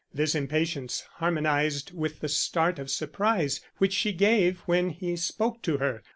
This impatience harmonized with the start of surprise which she gave when he spoke to her.